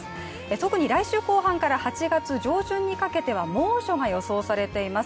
特に来週後半から８月上旬にかけては猛暑が予想されています。